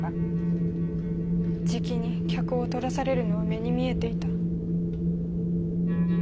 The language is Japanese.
じきに客を取らされるのは目に見えていた。